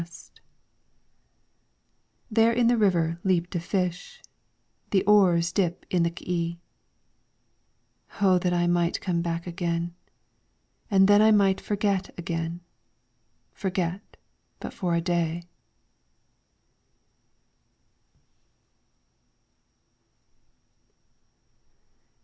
9 LYRICS FROM THE CHINESE There in the river leaped a fish. The oars dip in the K'e. O that I might come back again, And then I might forget again, Forget for but a day